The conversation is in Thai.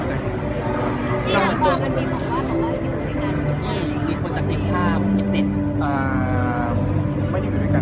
นี่หลังความมันมีบอกว่าของเราอยู่ด้วยกัน